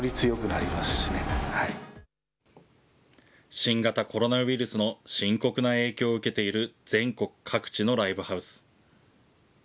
新型コロナウイルスの深刻な影響を受けている全国各地のライブハウス。